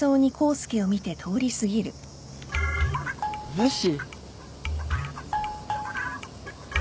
無視！？